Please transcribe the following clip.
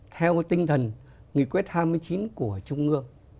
theo tinh thần nghị quyết hai mươi chín của trung ương